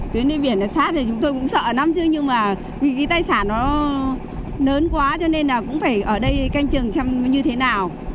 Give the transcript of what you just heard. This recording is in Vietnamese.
tuyến đi biển nó sát thì chúng tôi cũng sợ lắm chứ nhưng mà vì cái tài sản nó lớn quá cho nên là cũng phải ở đây canh chừng xem như thế nào